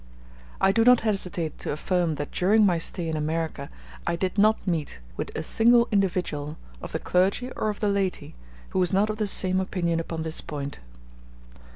I do not hesitate to affirm that during my stay in America I did not meet with a single individual, of the clergy or of the laity, who was not of the same opinion upon this point.